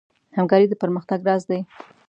همکاري د پرمختګ راز دی.